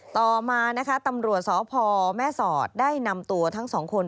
ต่อมานะคะตำรวจสพแม่สอดได้นำตัวทั้งสองคน